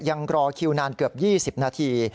รอคิวนานเกือบ๒๐นาที